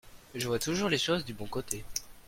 Je vois toujours les choses du bon côté.